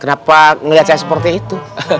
kenapa melihat saya seperti itu